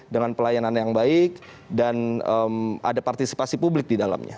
dengan pelayanan yang baik dan ada partisipasi publik di dalamnya